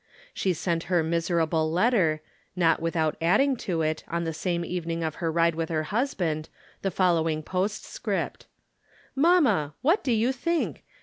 She sent her miserable letter, not without adding to it, on the same evening of her ride with her husband, the following postscript :" Mamma, what do you think